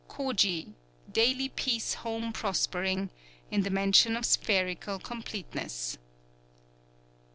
_ _Koji, Daily Peace Home Prospering, in the Mansion of Spherical Completeness.